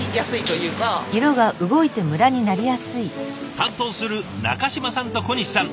担当する中嶋さんと小西さん